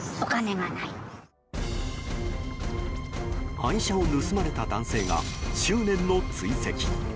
愛車を盗まれた男性が執念の追跡。